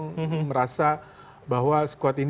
saya juga merasa bahwa sekuat ini tidak sempurna